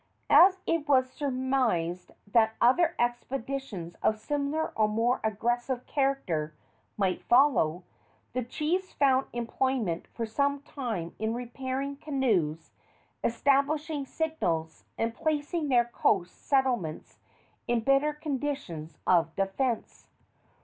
As it was surmised that other expeditions of a similar or more aggressive character might follow, the chiefs found employment for some time in repairing canoes, establishing signals, and placing their coast settlements in better conditions of defence.